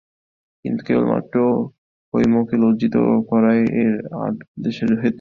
কিন্তু কেবলমাত্র হৈমকে লজ্জিত করাই এই আদেশের হেতু।